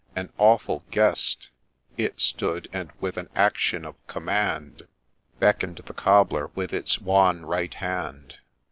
— An awful guest It stood, and with an action of command, Beckon'd the Cobbler with its wan right hand.